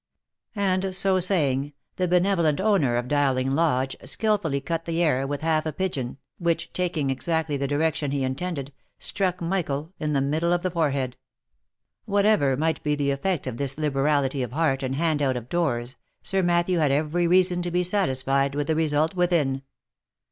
And so saying, the benevolent owner of Dowling Lodge skilfully cut the air with half a pigeon, which, taking exactly the direction he in tended, struck Michael in the middle of his forehead. Whatever might be the effect of this liberality of heart and hand out of doors, Sir Matthew had every reason to be satisfied with the result within.